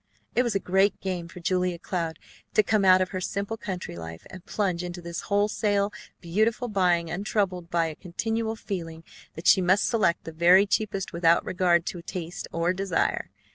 It was a great game for Julia Cloud to come out of her simple country life and plunge into this wholesale beautiful buying untroubled by a continual feeling that she must select the very cheapest without regard to taste or desire.